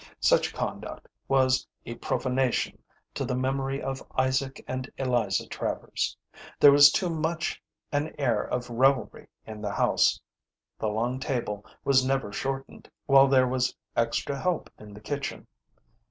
Such conduct was a profanation to the memory of Isaac and Eliza Travers. There was too much an air of revelry in the house. The long table was never shortened, while there was extra help in the kitchen.